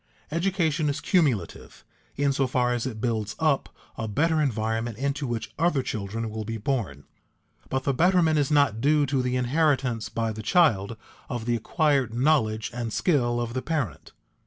Education is cumulative in so far as it builds up a better environment into which other children will be born, but the betterment is not due to the inheritance by the child of the acquired knowledge and skill of the parent.